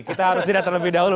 kita harus jeda terlebih dahulu